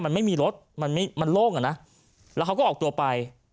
มันไม่มีรถมันไม่มันโล่งอ่ะนะแล้วเขาก็ออกตัวไป